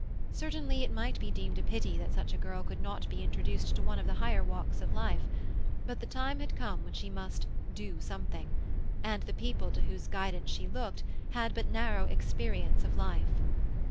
Certainly it might be deemed a pity that such a girl could not be introduced to one of the higher walks of life; but the time had come when she must "do something," and the people to whose guidance she looked had but narrow experience of life.